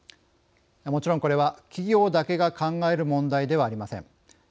もちろん、これは企業だけが考える問題ではありません。